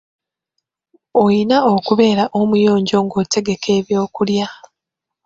Oyina okubeera omuyonjo ng'otegeka ebyokulya.